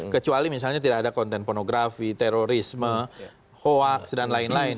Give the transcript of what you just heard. kecuali misalnya tidak ada konten pornografi terorisme hoax dan lain lain